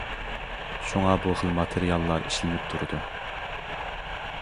شۇڭا بۇ خىل ماتېرىياللار ئىشلىنىپ تۇرىدۇ.